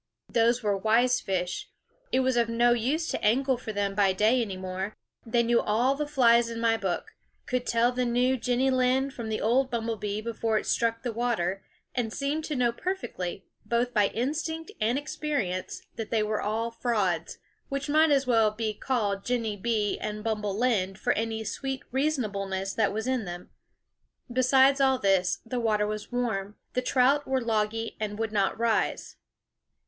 Those were wise fish. It was of no use to angle for them by day any more. They knew all the flies in my book ; could tell the new Jenny Lind from the old Bumble Bee before it struck the water; and seemed to know perfectly, both by instinct and experi ence, that they were all frauds, which might as well be called Jenny Bee and Bumble Lind for any sweet reasonableness that was in them. Besides all this, the water was warm ; the trout were logy and would not rise.